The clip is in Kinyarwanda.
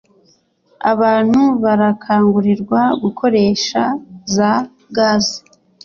Abantu barakangurirwa gukoresha za gaz